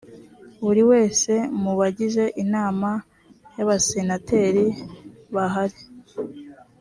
buri wese mu bagize inama y’abasenateri bahari